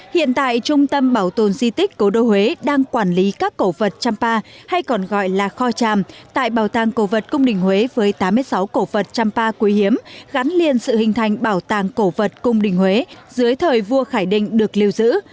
hiện tại trung tâm bảo tồn di tích cố đô huế đang quản lý các cổ vật champa hay còn gọi là kho tràm tại bảo tàng cổ vật cung đình huế với tám mươi sáu cổ vật champa quý hiếm gắn liền sự hình thành bảo tàng cổ vật cung đình huế dưới thời vua khải định được lưu giữ